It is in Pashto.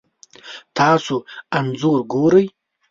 تاسو انځور ګورئ